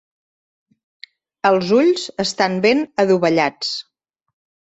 Els ulls estan ben adovellats.